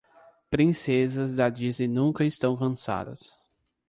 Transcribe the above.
Princesas da Disney nunca estão cansadas.